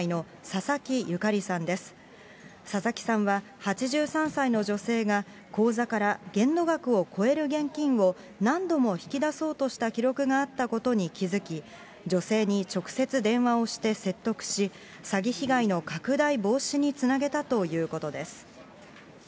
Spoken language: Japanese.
佐々木さんは、８３歳の女性が口座から限度額を超える現金を何度も引き出そうとした記録があったことに気付き、女性に直接電話をして説得し、詐欺被害の拡大防止につなげたということです。